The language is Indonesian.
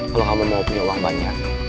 kalau kamu mau punya uang banyak